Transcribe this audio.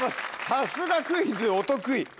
さすがクイズお得意。